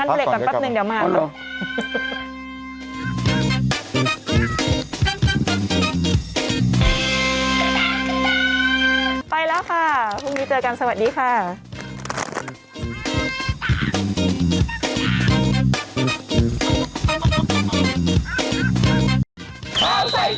เดี๋ยวค่อยมางั้นเดี๋ยวเรียกก่อนปั๊บหนึ่งเดี๋ยวมาก่อนเอาล่ะ